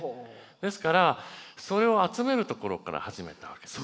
ですからそれを集めるところから始めたわけです。